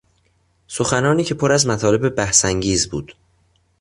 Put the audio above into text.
سخنانی که پر از مطالب بحثانگیز بود